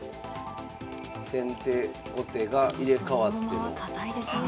先手後手が入れ代わっても。